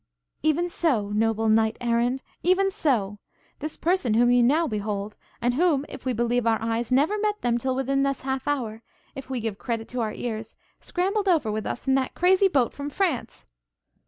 'Even so, noble knight errand, even so! This person whom you now behold, and whom, if we believe our eyes, never met them till within this half hour, if we give credit to our ears, scrambled over with us in that crazy boat from France.'